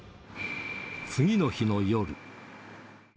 次の日の夜。